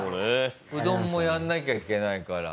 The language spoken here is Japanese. うどんもやらなきゃいけないから。